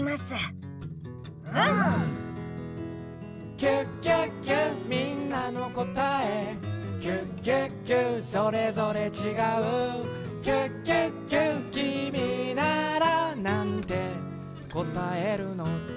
「キュキュキュみんなのこたえ」「キュキュキュそれぞれちがう」「キュキュキュきみならなんてこたえるの？」